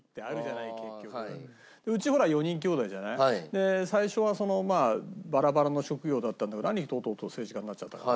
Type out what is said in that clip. で最初はまあバラバラの職業だったんだけど兄と弟政治家になっちゃったから。